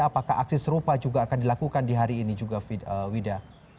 apakah aksi serupa juga akan dilakukan di hari ini juga wida